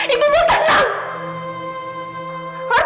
ibu mau tenang